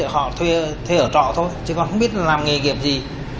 họ thuê ở trọ thôi chứ còn không biết làm nghề nghiệp gì